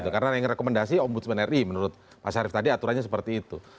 karena yang direkomendasi om busman ri menurut mas harif tadi aturannya seperti itu